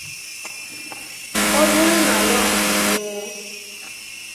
ọ bụrụ na nwaanyị nwụọ